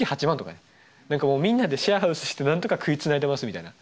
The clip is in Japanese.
何かもうみんなでシェアハウスして何とか食いつないでますみたいな。